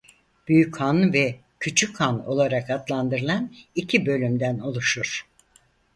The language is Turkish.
Büyük Han ve Küçük Han olarak adlandırılan iki bölümden oluşur.